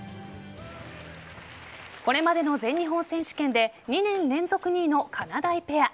これまでの全日本選手権で２年連続２位のかなだいペア。